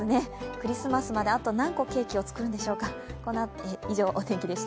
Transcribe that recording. クリスマスまで、あと何個ケーキを作るんでしょうか。